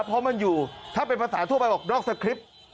เพราะมันอยู่ถ้าเป็นภาษาทั่วไปบอกนอกสคริปต์